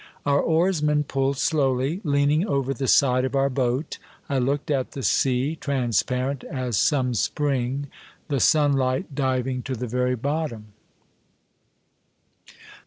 Our oarsmen pulled slowly; leaning over the side of our boat, I looked at the sea, transparent as some spring, the sunlight diving to the very bottom.